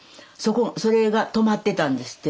それがとまってたんですって。